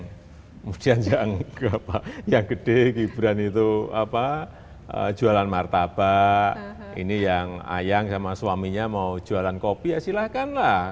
kemudian yang gede gibran itu jualan martabak ini yang ayang sama suaminya mau jualan kopi ya silahkanlah